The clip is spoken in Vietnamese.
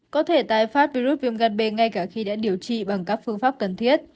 có thể tái phát virus viêm gan b ngay cả khi đã điều trị bằng các phương pháp cần thiết